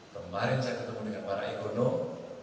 kemarin saya ketemu dengan para ekonom